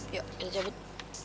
yuk kita cabut